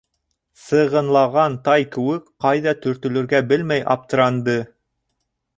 Сығынлаған тай кеүек ҡайҙа төртөлөргә белмәй аптыранды.